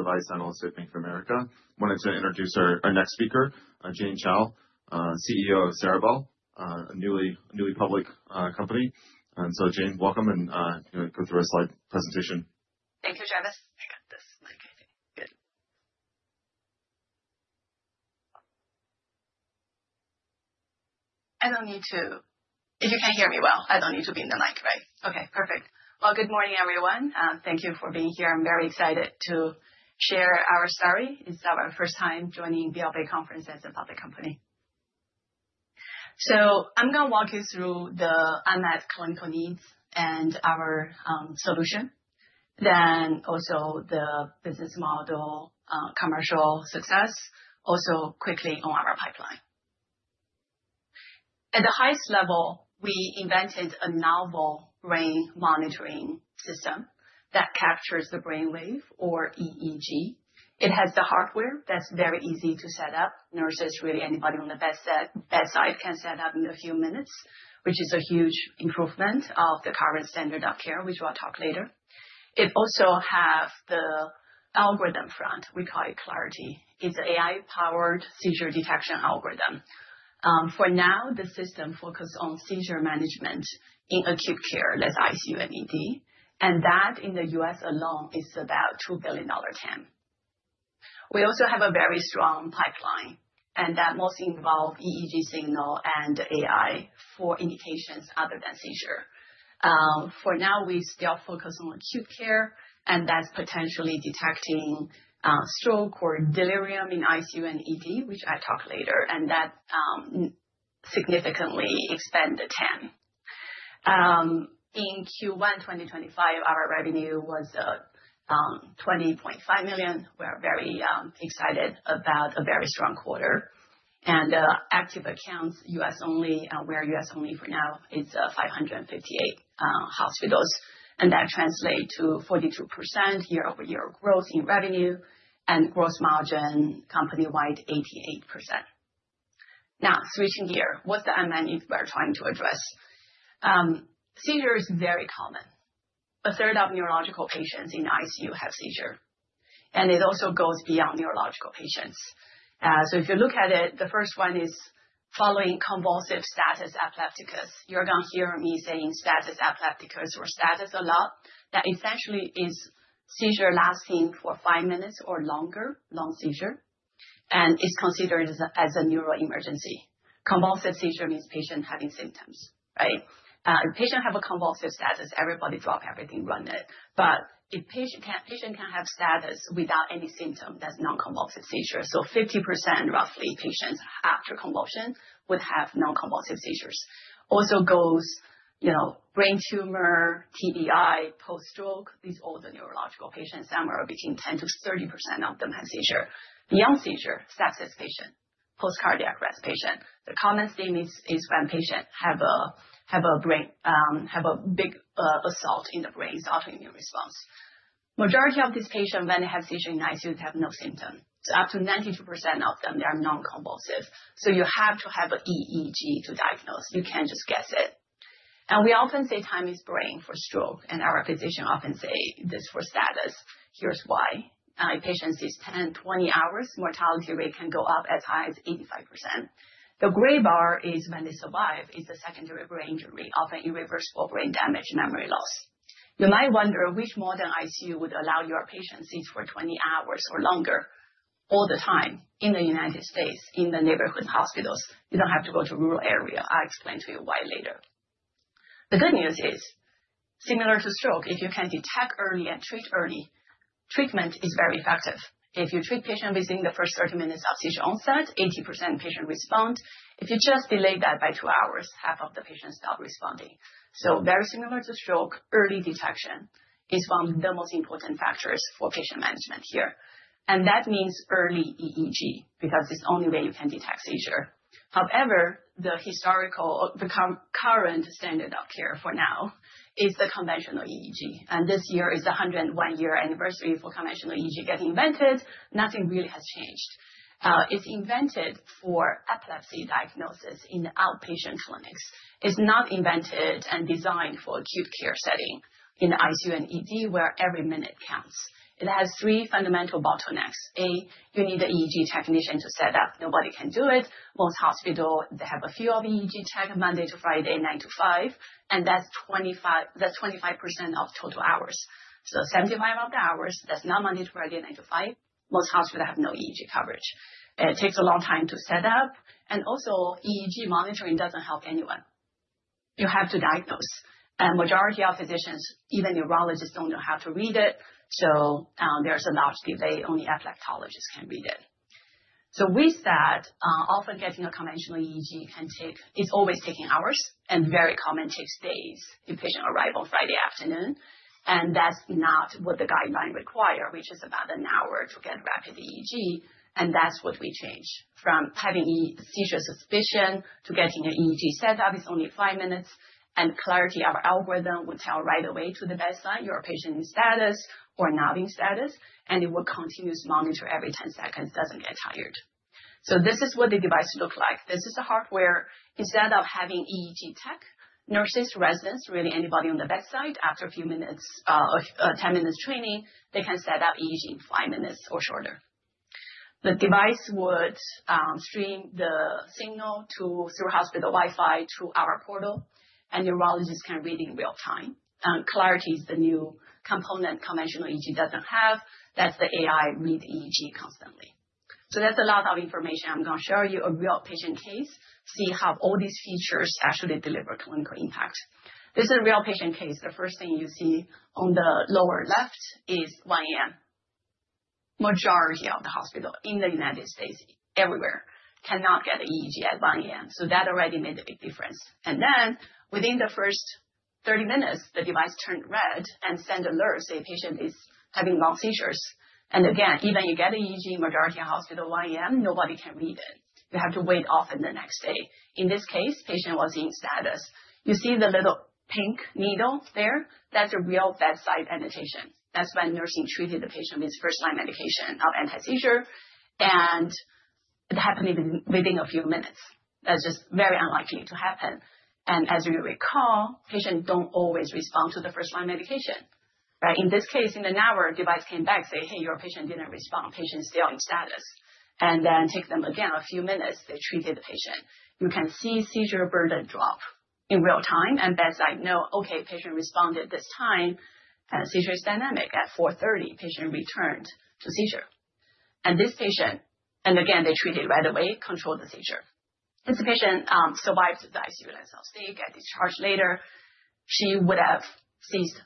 Advice Analyst at Bank of America. I wanted to introduce our next speaker, Jane Chao, CEO of Ceribell, a newly public company. Jane, welcome, and go through a slide presentation. Thank you, Travis. I’ve got this mic. I think it’s good. I don’t need to—if you cannot hear me well, I don’t need to be on the mic, right? Okay, perfect. Good morning, everyone. Thank you for being here. I am very excited to share our story. It’s our first time joining BLB conferences as a public company. I’m going to walk you through the unmet clinical needs and our solution, the business model, commercial success, and briefly on our pipeline. At the highest level, we invented a novel brain monitoring system that captures brain waves, or EEG. It has the hardware that is very easy to set up. Nurses, really anybody on the bedside can set up in a few minutes, which is a huge improvement of the current standard of care, which we will talk later. It also has the algorithm front. We call it Clarity. It's an an AI-powered seizure detection algorithm. For now, the system focuses on seizure management in acute care ICU and ED. In the U.S. alone, that’s about a $2 billion TAM. We also have a very strong pipeline, mostly involving EEG signals and AI for indications other than seizure. For now, we still focus on acute care, potentially detecting stroke or delirium in ICU and ED, which I’ll discuss later, significantly expanding the TAM. In Q1 2025, our revenue was $20.5 million, a very strong quarter. Active accounts in the U.S. only: 558 hospitals. That translates to 42% year-over-year growth in revenue, with a company-wide gross margin of 88%. Now, switching gears, what’s the unmet need we’re addressing? Seizure is very common—a third of neurological patients in ICU experience seizure. It also goes beyond neurological patients. If you look at it, the first one is following convulsive status epilepticus. You're going to hear me saying status epilepticus or status a lot. That essentially is seizure lasting for five minutes or longer, long seizure, and is considered as a neuroemergency. Convulsive seizure means patient having symptoms, right? If patient have a convulsive status, everybody drop everything, run it. If patient can have status without any symptom, that's non-convulsive seizure. 50% roughly patients after convulsion would have non-convulsive seizures. Also goes brain tumor, TBI, post-stroke. These are all the neurological patients. Somewhere between 10%-30% of them have seizure. Beyond seizure, sepsis patient, post-cardiac arrest patient. The common theme is when patient have a big assault in the brain, it's autoimmune response. Majority of these patients, when they have seizure in ICU, they have no symptoms. Up to 92% of them, they are non-convulsive. You have to have an EEG to diagnose. You can't just guess it. We often say time is brain for stroke, and our physician often say this for status. Here's why. If patient sees 10-20 hours, mortality rate can go up as high as 85%. The gray bar is when they survive, it's a secondary brain injury, often irreversible brain damage, memory loss. You might wonder which modern ICU would allow your patient to see for 20 hours or longer all the time in the United States, in the neighborhood hospitals. You don't have to go to rural area. I'll explain to you why later. The good news is, similar to stroke, if you can detect early and treat early, treatment is very effective. If you treat patient within the first 30 minutes of seizure onset, 80% patient respond. If you just delay that by two hours, half of the patients stop responding. Very similar to stroke, early detection is one of the most important factors for patient management here. That means early EEG because it's the only way you can detect seizure. However, the current standard of care for now is the conventional EEG. This year is the 101-year anniversary for conventional EEG getting invented. Nothing really has changed. It was invented for epilepsy diagnosis in outpatient clinics. It's not invented and designed for acute care setting in ICU and ED where every minute counts. It has three fundamental bottlenecks. A, you need an EEG technician to set up. Nobody can do it. Most hospitals, they have a few of EEG tech Monday to Friday, 9:00 A.M. to 5:00 P.M. That's 25% of total hours. Seventy-five percent of the hours, that's not Monday to Friday, 9:00 A.M. to 5:00 P.M. Most hospitals have no EEG coverage. It takes a long time to set up. Also, EEG monitoring doesn't help anyone. You have to diagnose. The majority of physicians, even neurologists, don't know how to read it. There's a large delay. Only epileptologists can read it. With that, often getting a conventional EEG can take—it's always taking hours and very common takes days in patient arrival Friday afternoon. That's not what the guideline require, which is about an hour to get rapid EEG. That's what we change. From having seizure suspicion to getting an EEG set up, it's only five minutes. Clarity, our algorithm, would tell right away to the bedside your patient in status or not in status. It will continuously monitor every 10 seconds, doesn't get tired. This is what the device looks like. This is the hardware. Instead of having EEG tech, nurses, residents, really anybody on the bedside, after a few minutes, 10 minutes training, they can set up EEG in five minutes or shorter. The device would stream the signal through hospital Wi-Fi through our portal, and neurologists can read in real time. Clarity is the new component conventional EEG doesn't have. That's the AI read EEG constantly. That's a lot of information. I'm going to show you a real patient case, see how all these features actually deliver clinical impact. This is a real patient case. The first thing you see on the lower left is 1:00 A.M. Majority of the hospital in the United States, everywhere, cannot get an EEG at 1:00 A.M. That already made a big difference. Then, within the first 30 minutes, the device turned red and sent alerts saying patient is having long seizures. Again, even if you get an EEG, majority of hospital 1:00 A.M., nobody can read it. You have to wait often the next day. In this case, patient was in status. You see the little pink needle there? That is a real bedside annotation. That is when nursing treated the patient with first-line medication of anti-seizure. It happened within a few minutes. That is just very unlikely to happen. As you recall, patient does not always respond to the first-line medication. In this case, in an hour, device came back, said, "Hey, your patient did not respond. Patient is still in status." Then it took them again a few minutes. They treated the patient. You can see seizure burden drop in real time and bedside know, "Okay, patient responded this time. Seizure is dynamic. At 4:30, patient returned to seizure." This patient, and again, they treated right away, controlled the seizure. This patient survived the ICU, let's not say, got discharged later. She would have seized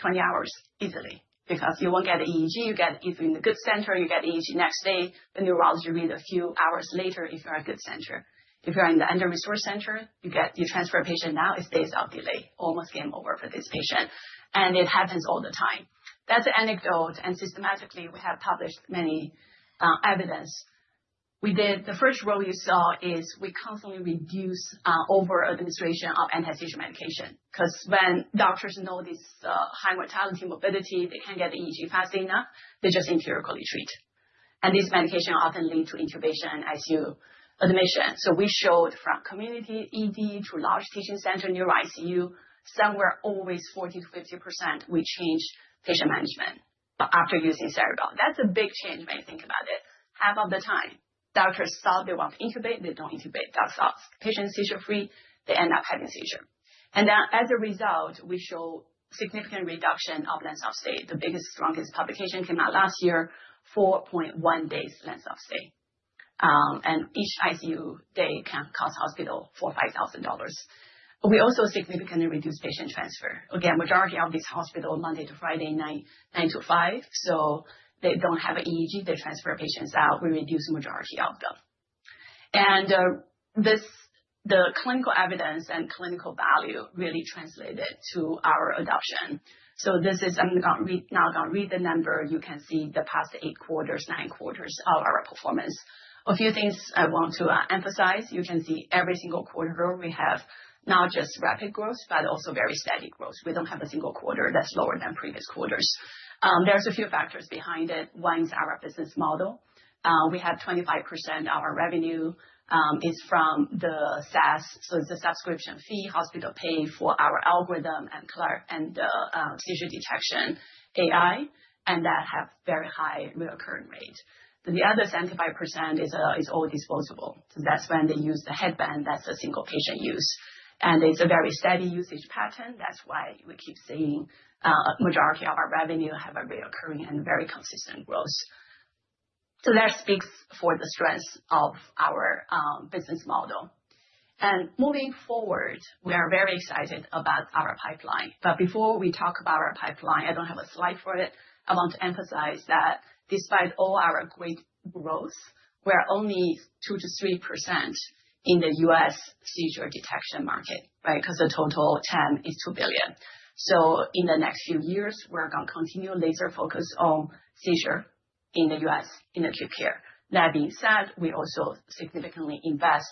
20 hours easily because you won't get an EEG. You get it in the good center. You get an EEG next day. The neurology reads a few hours later if you're at good center. If you're in the under-resourced center, you transfer patient now, it stays out delay, almost game over for this patient. It happens all the time. That's anecdote. Systematically, we have published many evidence. The first row you saw is we constantly reduce over-administration of anti-seizure medication. Because when doctors know this high mortality, morbidity, they can't get the EEG fast enough, they just empirically treat. And this medication often leads to intubation, ICU admission. We showed from community ED to large teaching center, near ICU, somewhere always 40%-50%, we changed patient management after using Ceribell. That's a big change when you think about it. Half of the time, doctors thought they want to intubate, they don't intubate. Docs thought patient's seizure free, they end up having seizure. And then as a result, we show significant reduction of length of stay. The biggest, strongest publication came out last year, 4.1 days length of stay. And each ICU day can cost hospital $4,000 or $5,000. We also significantly reduced patient transfer. Again, majority of these hospitals, Monday to Friday, 9:00 A.M. to 5:00 P.M. So they don't have an EEG, they transfer patients out. We reduce majority of them. The clinical evidence and clinical value really translated to our adoption. This is, I'm not going to read the number. You can see the past eight quarters, nine quarters of our performance. A few things I want to emphasize. You can see every single quarter, we have not just rapid growth, but also very steady growth. We do not have a single quarter that's lower than previous quarters. There are a few factors behind it. One is our business model. We have 25% of our revenue is from the SaaS. It is a subscription fee, hospital pay for our algorithm and seizure detection AI, and that have very high reoccurring rate. The other 75% is all disposable. That is when they use the headband that is a single patient use. It is a very steady usage pattern. That's why we keep seeing the majority of our revenue have a recurring and very consistent growth. That speaks for the strength of our business model. Moving forward, we are very excited about our pipeline. Before we talk about our pipeline, I don't have a slide for it, I want to emphasize that despite all our great growth, we're only 2%-3% in the US seizure detection market, right? Because the total TAM is $2 billion. In the next few years, we're going to continue laser focus on seizure in the US, in acute care. That being said, we also significantly invest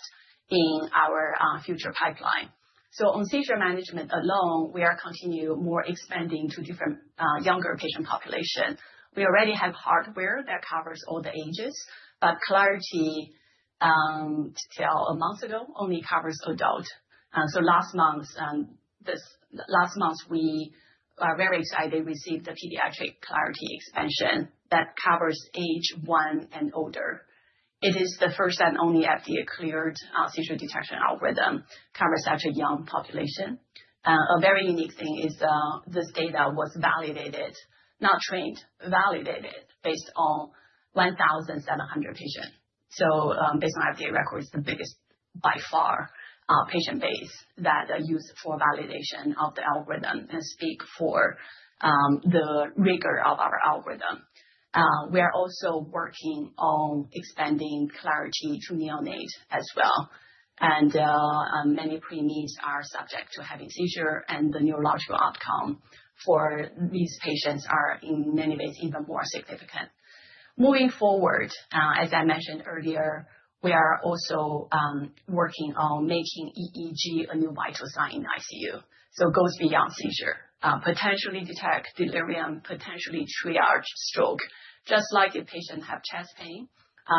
in our future pipeline. On seizure management alone, we are continuing more expanding to different younger patient population. We already have hardware that covers all the ages, but Clarity, till a month ago, only covers adult. Last month, we are very excited to receive the pediatric Clarity expansion that covers age one and older. It is the first and only FDA-cleared seizure detection algorithm, covers such a young population. A very unique thing is this data was validated, not trained, validated based on 1,700 patients. Based on FDA records, the biggest by far patient base that are used for validation of the algorithm and speak for the rigor of our algorithm. We are also working on expanding Clarity to neonate as well. Many preemies are subject to having seizure, and the neurological outcome for these patients are in many ways even more significant. Moving forward, as I mentioned earlier, we are also working on making EEG a new vital sign in ICU. It goes beyond seizure. Potentially detect delirium, potentially triage stroke. Just like if patient have chest pain,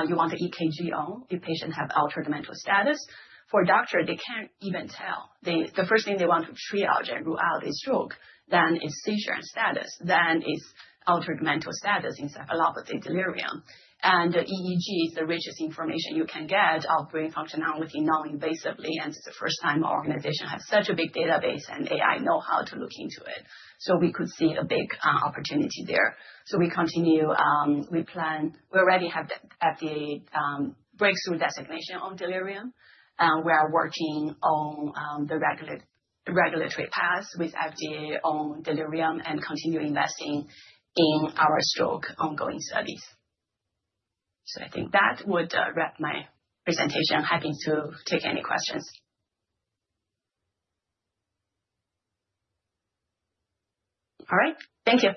you want to EKG on. If patient have altered mental status, for doctor, they can't even tell. The first thing they want to triage and rule out is stroke. Then it's seizure and status. Then it's altered mental status, encephalopathy, delirium. The EEG is the richest information you can get of brain functionality non-invasively. This is the first time our organization has such a big database and AI know how to look into it. We could see a big opportunity there. We continue, we plan, we already have the FDA breakthrough designation on delirium. We are working on the regulatory paths with FDA on delirium and continue investing in our stroke ongoing studies. I think that would wrap my presentation. Happy to take any questions. All right. Thank you.